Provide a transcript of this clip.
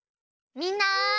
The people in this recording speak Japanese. みんな！